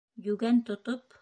Йүгән тотоп...